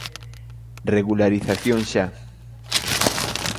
Regularización xa.